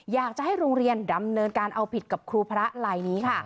อยากจะให้โรงเรียนดำเนินการเอาผิดกับครูพระลายนี้ค่ะ